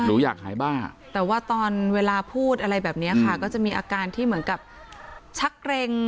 หนูอยากหายบ้าแต่ว่าตอนเวลาพูดอะไรแบบนี้ค่ะก็จะมีอาการที่เหมือนกับชักเกร็ง